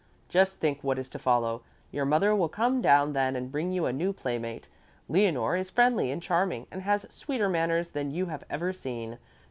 Just think what is to follow. Your mother will come down then and bring you a new playmate. Leonore is friendly and charming and has sweeter manners than you have ever seen.